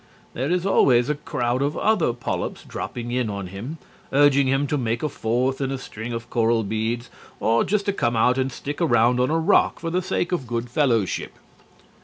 There is always a crowd of other polyps dropping in on him, urging him to make a fourth in a string of coral beads or just to come out and stick around on a rock for the sake of good fellowship.